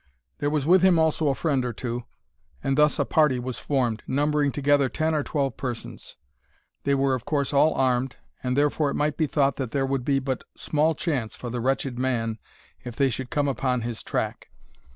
There was with him also a friend or two, and thus a party was formed, numbering together ten or twelve persons. They were of course all armed, and therefore it might be thought that there would be but small chance for the wretched man if they should come upon his track.